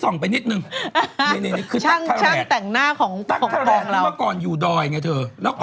ไม่ใช่เกอร์เลียนครับ